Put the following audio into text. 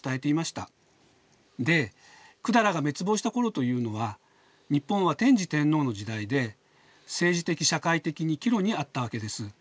で百済が滅亡した頃というのは日本は天智天皇の時代で政治的社会的に岐路にあったわけです。